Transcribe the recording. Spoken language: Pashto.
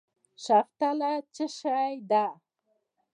شوتله څه شی ده؟